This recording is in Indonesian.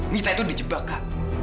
mita itu dijebak kak